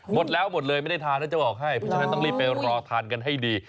หมดแล้วหมดเลยไม่ได้ทานแล้วจะบอกให้เพราะฉะนั้นต้องรีบไปรอทานกันให้ดี